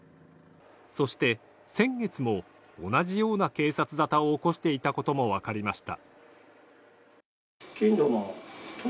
そして先月も同じような警察沙汰を起こしていたことが分かりました。